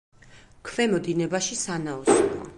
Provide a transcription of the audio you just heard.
ქვემო დინებაში სანაოსნოა.